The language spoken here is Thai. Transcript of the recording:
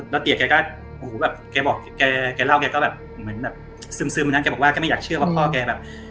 แล้วเตี๋ยแกก็หูแบบแกบอกแกเล่าแกก็แบบเหมือนแบบซึมนะแกบอกว่าแกไม่อยากเชื่อว่าพ่อแกแบบ